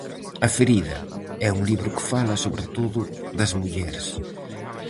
"A ferida" é un libro que fala, sobre todo, das mulleres.